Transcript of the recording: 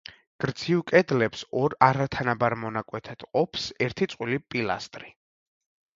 გრძივ კედლებს ორ არათანაბარ მონაკვეთად ყოფს ერთი წყვილი პილასტრი.